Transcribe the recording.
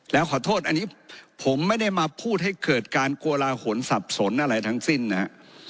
แล้วขอโทษอันนี้ผมไม่ได้มาพูดให้เกิดการโกลาหลสับสนอะไรทั้งสิ้นนะฮะ